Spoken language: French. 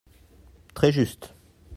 Très juste !